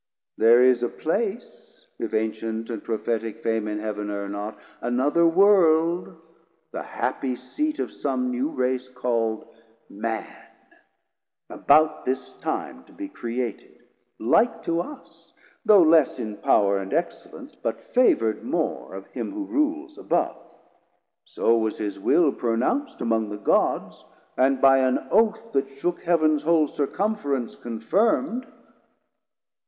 There is a place (If ancient and prophetic fame in Heav'n Err not) another World, the happy seat Of som new Race call'd Man, about this time To be created like to us, though less In power and excellence, but favour'd more 350 Of him who rules above; so was his will Pronounc'd among the Gods, and by an Oath, That shook Heav'ns whol circumference, confirm'd.